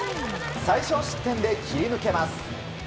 最少失点で切り抜けます。